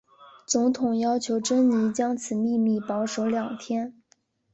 总统要求珍妮将此秘密保守两天。